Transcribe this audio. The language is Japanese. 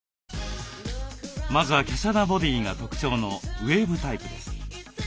まずは華奢なボディーが特徴のウエーブタイプです。